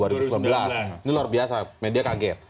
ini luar biasa media kaget